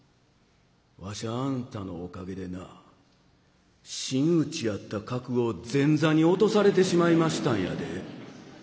わしあんたのおかげでな真打ちやった格を前座に落とされてしまいましたんやで」。